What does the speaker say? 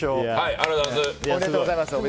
ありがとうございます。